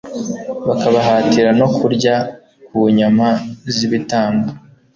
bakabahatira no kurya ku nyama z'ibitambo